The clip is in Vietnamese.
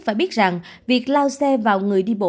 phải biết rằng việc lao xe vào người đi bộ